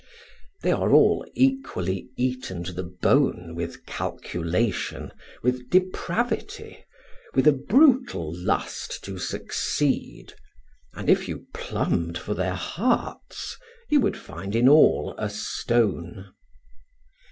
They are all equally eaten to the bone with calculation, with depravity, with a brutal lust to succeed, and if you plumbed for their hearts you would find in all a stone.